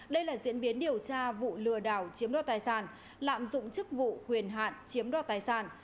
đây là diễn biến điều tra vụ lừa đảo chiếm đo tài sản lạm dụng chức vụ huyền hạn chiếm đo tài sản